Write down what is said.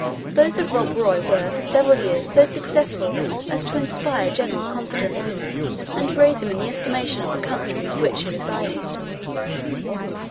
Those of Rob Roy were for several years so successful as to inspire general confidence, and raise him in the estimation of the country in which he resided.